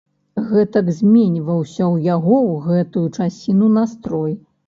Гэтак зменьваўся ў яго ў гэтую часіну настрой.